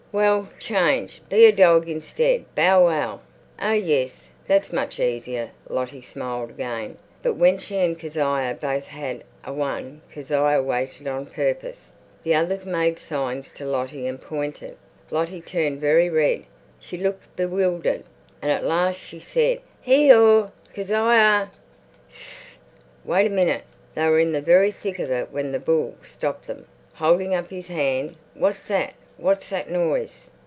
"Well, change! Be a dog instead! Bow wow!" "Oh yes. That's much easier." Lottie smiled again. But when she and Kezia both had a one Kezia waited on purpose. The others made signs to Lottie and pointed. Lottie turned very red; she looked bewildered, and at last she said, "Hee haw! Ke zia." "Ss! Wait a minute!" They were in the very thick of it when the bull stopped them, holding up his hand. "What's that? What's that noise?"